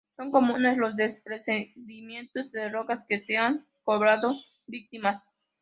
Son comunes los desprendimientos de rocas que se han cobrado víctimas.